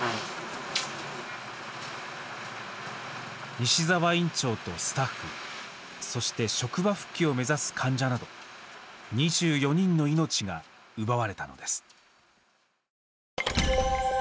西澤院長とスタッフそして職場復帰を目指す患者など２４人の命が奪われたのです。